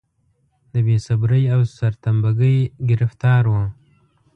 د بې صبرۍ او سرتمبه ګۍ ګرفتار و.